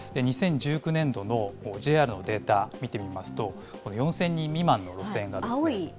２０１９年度のＪＲのデータ見てみますと、４０００人未満の路線がですね。